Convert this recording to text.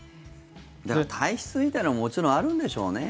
体質みたいのももちろんあるんでしょうね。